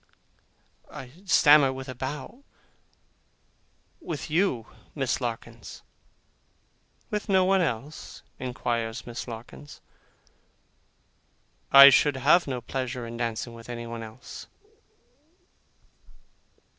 I stammer, with a bow, 'With you, Miss Larkins.' 'With no one else?' inquires Miss Larkins. 'I should have no pleasure in dancing with anyone else.